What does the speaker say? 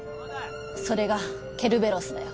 それがケルベロスだよ。